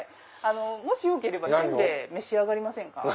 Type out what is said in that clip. もしよければお煎餅召し上がりませんか？